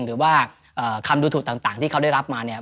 หรือว่าคำดูถูกต่างที่เขาได้รับมาเนี่ย